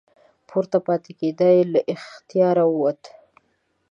پورته پاتې کیدا یې له اختیاره ووته.